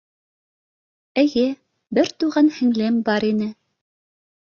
— Эйе, бер туған һеңлем бар ине.